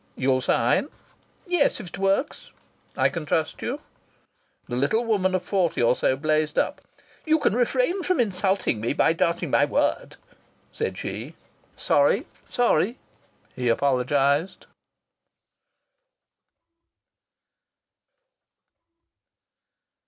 "You'll sign?" "Yes, if it works." "I can trust you?" The little woman of forty or so blazed up. "You can refrain from insulting me by doubting my word," said she. "Sorry! Sorry!" he apologized.